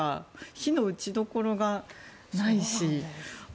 非の打ちどころがないし。